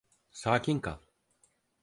Sakin kal.